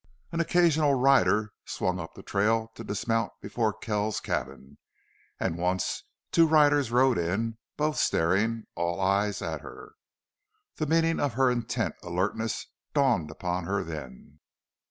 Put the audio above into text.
An occasional rider swung up the trail to dismount before Kells's cabin, and once two riders rode in, both staring all eyes at her. The meaning of her intent alertness dawned upon her then.